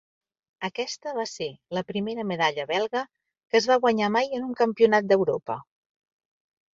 Aquesta va ser la primera medalla belga que es va guanyar mai en un Campionat d'Europa.